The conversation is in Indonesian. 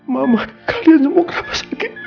mama kalian semua kenapa sakit